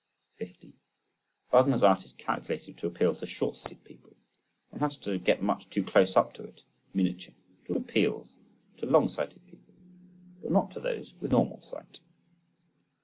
50. Wagner's art is calculated to appeal to short sighted people—one has to get much too close up to it (Miniature): it also appeals to long sighted people, but not to those with normal sight.